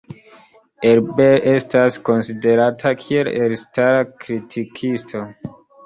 Ebert estas konsiderata kiel elstara kritikisto.